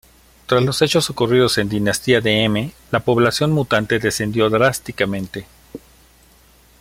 Tras los hechos ocurridos en "Dinastía de M" la población mutante descendió drásticamente.